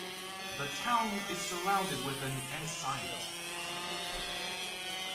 The town is surrounded with an enceinte.